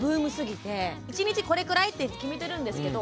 一日これくらいって決めてるんですけど